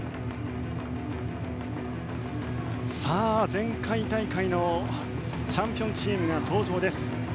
前回大会のチャンピオンチームの登場です。